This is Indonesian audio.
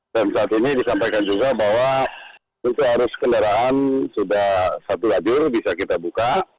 dan saat ini disampaikan juga bahwa untuk arus kendaraan sudah satu ladur bisa kita buka